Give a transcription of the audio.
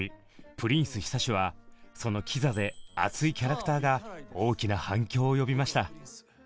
プリンス久志はそのキザで熱いキャラクターが大きな反響を呼びました。